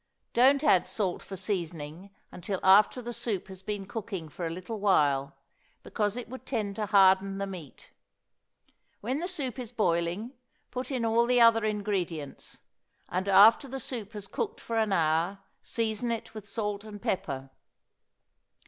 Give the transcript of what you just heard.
Don't add salt for seasoning until after the soup has been cooking for a little while, because it would tend to harden the meat. When the soup is boiling, put in all the other ingredients; and after the soup has cooked for an hour, season it with salt and pepper.